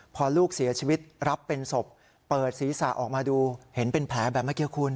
พอลูกเสียชีวิตรับเป็นศพเปิดศีรษะออกมาดูเห็นเป็นแผลแบบเมื่อกี้คุณ